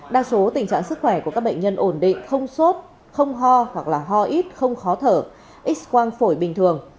đa số tình trạng sức khỏe của các bệnh nhân ổn định không sốt không ho hoặc ho ít không khó thở ít quang phổi bình thường